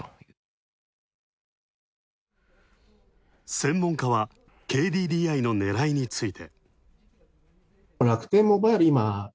専門家はＫＤＤＩの狙いについて。